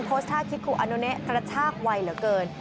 โพสตาร์คิกคุอันนโนเนกระชากวัยเหลือเกิน